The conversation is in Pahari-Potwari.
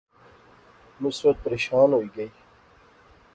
نصرت پریشان ہوئی گئی